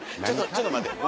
ちょっと待って。